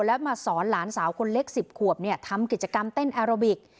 แล้วมาสอนหลานสาวคนเล็ก๑๐ขวบทำกิจกรรมเต้นแอโรบิก